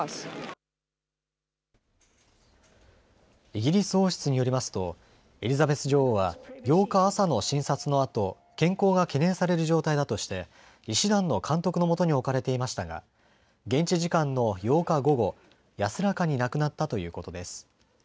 イギリス王室によりますとエリザベス女王は８日朝の診察のあと健康が懸念される状態だとして医師団の監督のもとに置かれていましたが現地時間の８日午後、安らかに亡くなったということです。